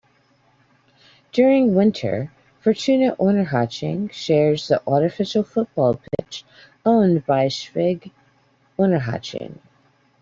During winter, Fortuna Unterhaching shares the artificial football pitch owned by SpVgg Unterhaching.